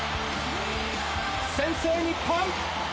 先制、日本。